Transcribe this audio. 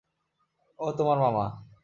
ও তোমার মামা।